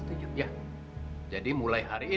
nih dia udah beres